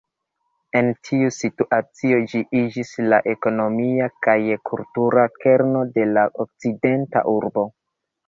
En tiu situacio ĝi iĝis la ekonomia kaj kultura kerno de la okcidenta urbo.